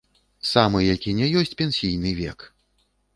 Самы які ні ёсць пенсійны век.